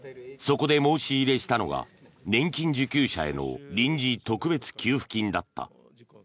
そこで申し入れしたのが年金受給者への臨時特別給付金だった。